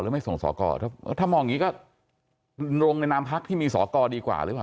หรือไม่ส่งศอกรถ้าถ้ามองอย่างงี้ก็ลงในนามพักที่มีศอกรดีกว่าหรือไง